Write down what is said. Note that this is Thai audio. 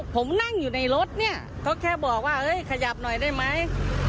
ผมนั่งอยู่ในรถเนี่ยเขาแค่บอกว่าเฮ้ยขยับหน่อยได้ไหม